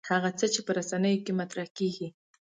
هغه څه چې په رسنیو کې مطرح کېږي.